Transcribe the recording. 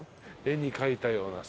絵に描いたような。